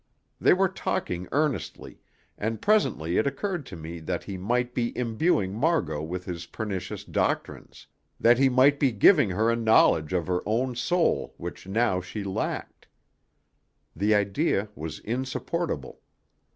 They were talking earnestly, and presently it occurred to me that he might be imbuing Margot with his pernicious doctrines, that he might be giving her a knowledge of her own soul which now she lacked. The idea was insupportable.